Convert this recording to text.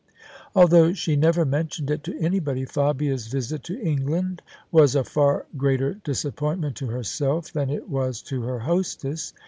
Although she never mentioned it to anybody, Fabia's visit to England was a far greater disappointment to herself than it was to her hostess.